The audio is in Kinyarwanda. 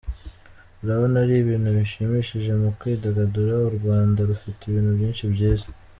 Urabona ari ibintu bishimishije mu kwidagadura, u Rwanda rufite ibintu byinshi byiza.